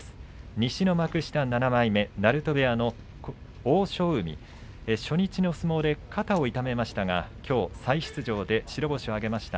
西の幕下７枚目鳴戸部屋の欧勝海初日の相撲で肩を痛めましたがきょう再出場で白星を挙げました。